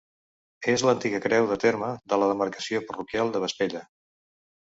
És l'antiga creu de terme de la demarcació parroquial de Vespella.